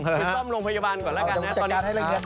เราจะจัดการให้ละเอียดได้